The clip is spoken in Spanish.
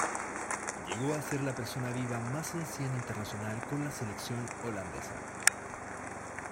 Llegó a ser la persona viva más anciana internacional con la selección holandesa.